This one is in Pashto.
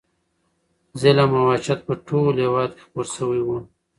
ظلم او وحشت په ټول هېواد کې خپور شوی و.